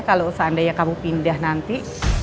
kalau seandainya kamu pindah nanti